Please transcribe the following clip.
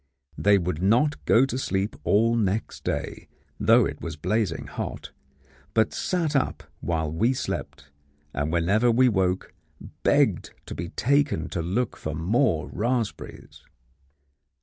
They would not go to sleep all next day, though it was blazing hot, but sat up while we slept, and whenever we woke begged to be taken to look for more raspberries.